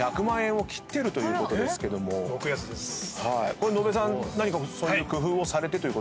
これ野邉さん何かそういう工夫をされて？